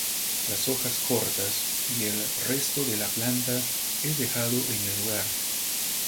Las hojas cortas y el resto de la planta es dejado en el lugar.